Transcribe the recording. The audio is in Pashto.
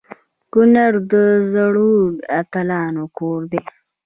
کنړ د زړورو اتلانو کور دی.